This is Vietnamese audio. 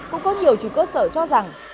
cũng có nhiều chủ cơ sở cho rằng